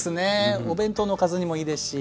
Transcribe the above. お弁当のおかずにもいいですし。